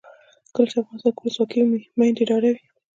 کله چې افغانستان کې ولسواکي وي میندې ډاډه وي.